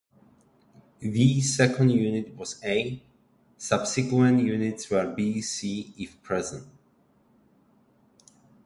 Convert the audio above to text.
The second unit was 'A'; subsequent units were 'B', 'C', if present.